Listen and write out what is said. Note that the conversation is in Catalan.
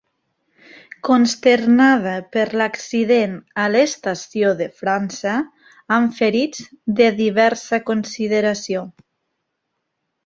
Consternada per l’accident a l’estació de França amb ferits de diversa consideració.